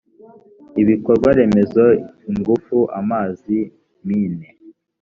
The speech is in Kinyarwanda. ibikorwa remezo ingufu amazi mine